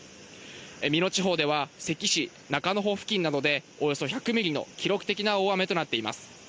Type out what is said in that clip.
美濃地方では、関市中之保付近などで、およそ１００ミリの記録的な大雨となっています。